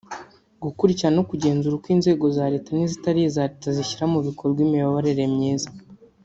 Gukurikirana no kugenzura uko inzego za leta n’izitari iza leta zishyira mu bikorwa imiyoborere myiza